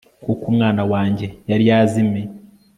kuko umwana wanjye yari yazimiye